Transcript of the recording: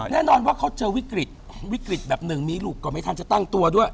แน่นอนว่าเขาเจอวิกฤตวิกฤตแบบหนึ่งมีลูกก็ไม่ทันจะตั้งตัวด้วย